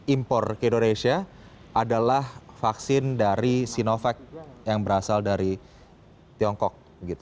impor ke indonesia adalah vaksin dari sinovac yang berasal dari tiongkok